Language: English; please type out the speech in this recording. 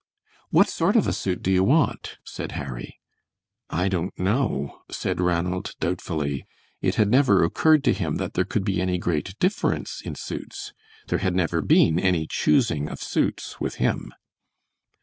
"What sort of a suit do you want?" said Harry. "I don't know," said Ranald, doubtfully. It had never occurred to him that there could be any great difference in suits. There had never been any choosing of suits with him.